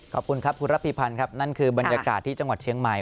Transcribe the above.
ขอบคุณครับคุณระพีพันธ์ครับนั่นคือบรรยากาศที่จังหวัดเชียงใหม่